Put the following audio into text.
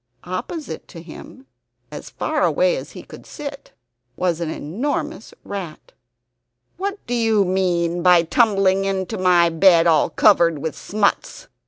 Opposite to him as far away as he could sit was an enormous rat. "What do you mean by tumbling into my bed all covered with smuts?"